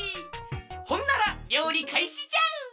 ほんならりょうりかいしじゃ！